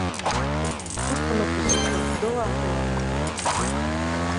Gústame o proxecto "Doa a túa voz".